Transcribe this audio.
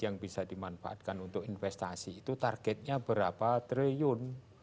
yang bisa dimanfaatkan untuk investasi itu targetnya berapa triliun